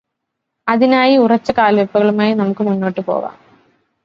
അതിനായി ഉറച്ച കാൽവയ്പുകളുമായി നമുക്ക് മുന്നോട്ടു പോകാം.